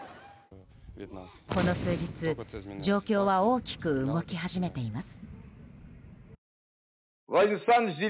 この数日、状況は大きく動き始めています。